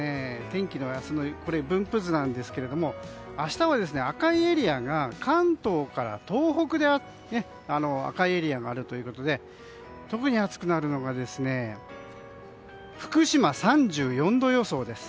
天気の明日の分布図なんですが明日は、関東から東北で赤いエリアがあるということで特に暑くなるのが福島３４度予想です。